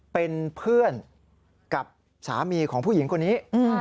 เป็นเพื่อนกับสามีของผู้หญิงคนนี้